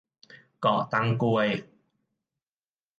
เกาะตังกวย